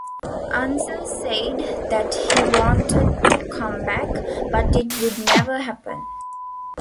Unser said that he wanted to come back, but it would never happen.